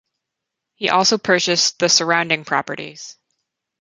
He also purchased the surrounding properties.